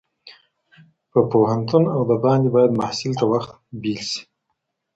په پوهنتون او د باندې باید محصل ته وخت بېل سي.